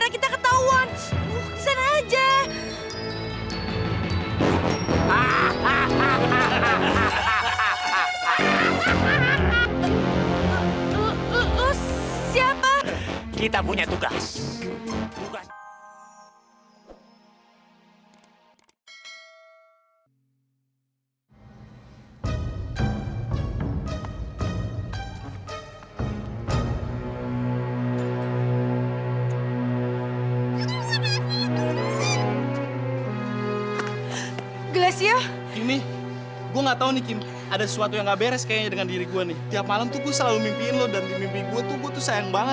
kita punya tugas